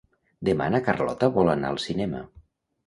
Demà na Carlota vol anar al cinema.